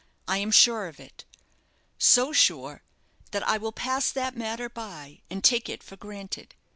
I am sure of it. So sure, that I will pass that matter by, and take it for granted.